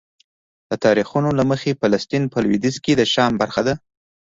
د تاریخونو له مخې فلسطین په لویدیځ کې د شام برخه ده.